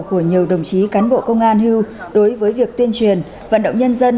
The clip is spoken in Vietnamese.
của nhiều đồng chí cán bộ công an hưu đối với việc tuyên truyền vận động nhân dân